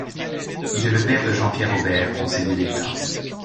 Il est le père de Jean-Pierre Aubert, conseiller d'État.